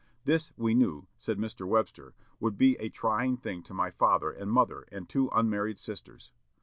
"This, we knew," said Mr. Webster, "would be a trying thing to my father and mother and two unmarried sisters.